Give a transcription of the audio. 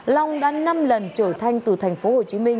long đã năm lần trở thanh từ tp hcm